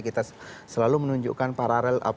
kita selalu menunjukkan paralel